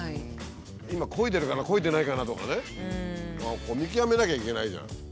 今こいでるかなこいでないかなとかね見極めなきゃいけないじゃん。